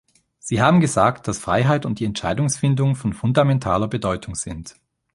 Sie haben gesagt, dass Freiheit und die Entscheidungsfindung von fundamentaler Bedeutung sind.